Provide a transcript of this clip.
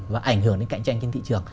và ảnh hưởng đến cạnh tranh trên thị trường